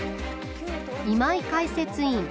今井解説委員。